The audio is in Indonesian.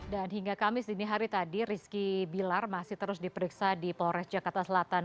dan hingga kamis dini hari tadi rizki bilar masih terus diperiksa di polres jakarta selatan